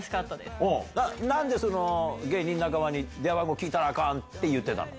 なんで芸人仲間に、電話番号聞いたらあかんって言ってたの？